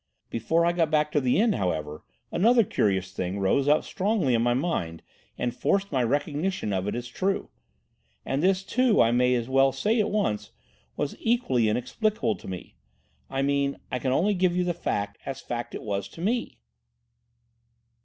Before I got back to the inn, however, another curious thing rose up strongly in my mind and forced my recognition of it as true. And this, too, I may as well say at once, was equally inexplicable to me. I mean I can only give you the fact, as fact it was to me."